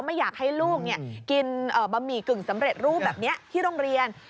ไม่อยากให้ลูกกินบะหมี่กึ่งสำเร็จรูปแบบนี้ที่โรงเรียน